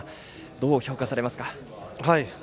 どう評価されますか。